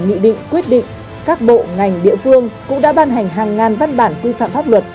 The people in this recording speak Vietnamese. nghị định quyết định các bộ ngành địa phương cũng đã ban hành hàng ngàn văn bản quy phạm pháp luật